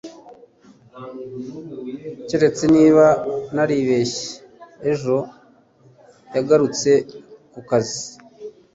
Keretse niba naribeshye, ejo yagarutse kukazi